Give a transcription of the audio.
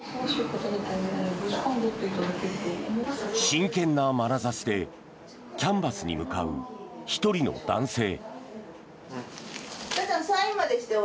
真剣なまなざしでキャンバスに向かう１人の男性。